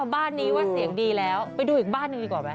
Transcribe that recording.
บ้านนี้ว่าเสียงดีแล้วไปดูอีกบ้านหนึ่งดีกว่าไหม